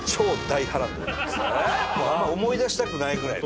もうあんま思い出したくないぐらいの。